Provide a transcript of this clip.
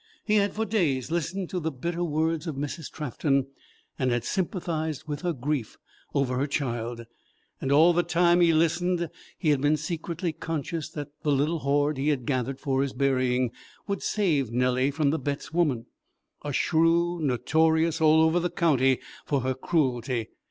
He had for days listened to the bitter words of Mrs. Trafton, and had sympathized with her grief over her child; and all the time he listened he had been secretly conscious that the little hoard he had gathered for his burying would save Nellie from the Betts woman, a shrew notorious all over the county for her cruelty.